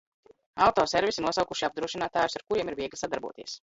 Autoservisi nosaukuši apdrošinātājus ar kuriem ir viegli sadarboties.